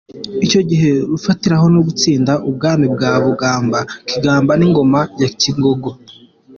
Icyo gihe rufatiraho no gutsinda u Bwami bwa Bugamba-Kigamba n’Ingoma ya Kingogo.